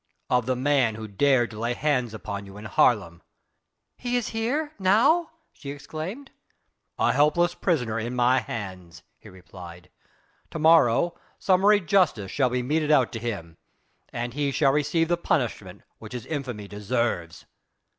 "Of the man who dared to lay hands upon you in Haarlem...." "He is here now?" she exclaimed. "A helpless prisoner in my hands," he replied, "to morrow summary justice shall be meted out to him, and he will receive the punishment which his infamy deserves."